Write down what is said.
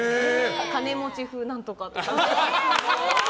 金持ち風何とかとか。